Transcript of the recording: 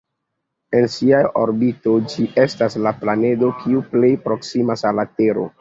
En sia orbito, ĝi estas la planedo kiu plej proksimas al la Tero.